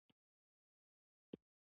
د دوړو د حساسیت لپاره باید څه وکاروم؟